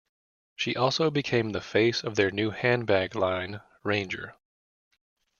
She also became the face of their new handbag line, Ranger.